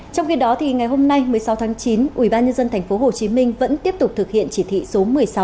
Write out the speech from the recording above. trong khi đó ngày hôm nay một mươi sáu tháng chín ubnd tp hcm vẫn tiếp tục thực hiện chỉ thị số một mươi sáu